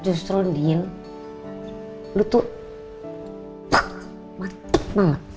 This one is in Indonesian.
justru din lo tuh mantep banget